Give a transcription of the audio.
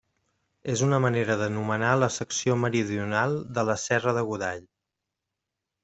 És una manera d'anomenar la secció meridional de la Serra de Godall.